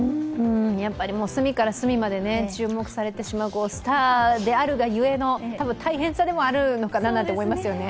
やっぱり隅から隅まで注目されてしまうスターであるがゆえの、たぶん大変さでもあるのかなと思いますね。